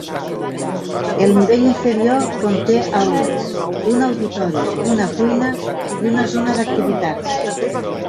El nivell inferior conté aules, un auditori, una cuina i una zona d'activitats.